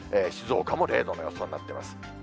静岡も０度の予想になってます。